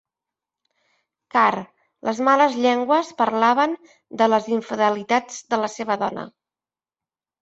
Car les males llengües parlaven de les infidelitats de la seva dona.